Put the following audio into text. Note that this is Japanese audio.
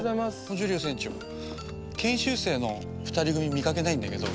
ジュリオ船長研修生の２人組見かけないんだけど。